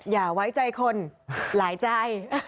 อย่าไว้ใจคนหลายใจ